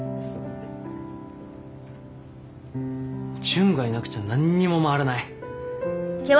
純がいなくちゃ何にも回らない。